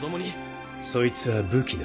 そいつは武器だ。